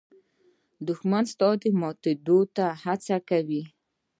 دښمن ستا د ماتېدو هڅه کوي